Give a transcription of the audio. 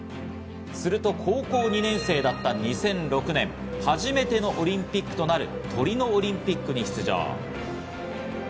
すると高校２年生だった２００６年、初めてのオリンピックとなるトリノオリンピックに出場。